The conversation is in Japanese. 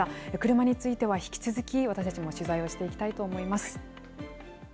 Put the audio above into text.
車については引き続き私たちも取材をしていきたいと思います。